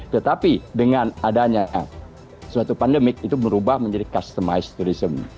tetapi dengan adanya suatu pandemik itu berubah menjadi customize tourism